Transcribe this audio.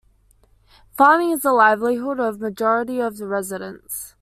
Farming is the livelihood of majority of the residents.